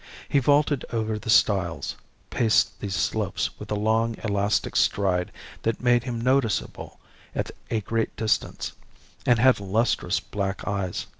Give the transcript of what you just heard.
He vaulted over the stiles, paced these slopes with a long elastic stride that made him noticeable at a great distance, and had lustrous black eyes.